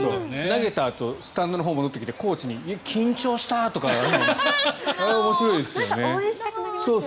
投げたあとスタンドのほうに戻ってきてコーチに緊張した！とかって応援したくなりますよね。